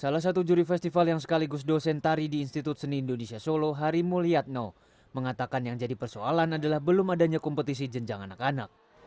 salah satu juri festival yang sekaligus dosen tari di institut seni indonesia solo hari mulyatno mengatakan yang jadi persoalan adalah belum adanya kompetisi jenjang anak anak